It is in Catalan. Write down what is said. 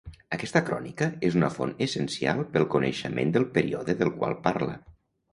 Aquesta crònica és una font essencial pel coneixement del període del qual parla.